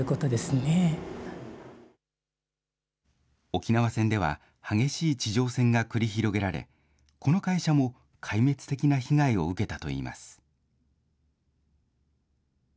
沖縄戦では、激しい地上戦が繰り広げられ、この会社も壊滅的な被害を受けたといいます。